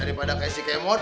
daripada kayak si k mod